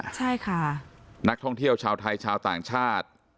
มันก็เงียบเหงาแล้วใช่ค่ะนักท่องเที่ยวชาวไทยชาวต่างชาติ